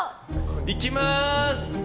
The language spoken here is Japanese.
いきます！